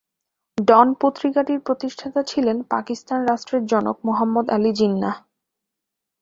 ডন পত্রিকাটির প্রতিষ্ঠাতা ছিলেন পাকিস্তান রাষ্ট্রের জনক মুহাম্মদ আলী জিন্নাহ।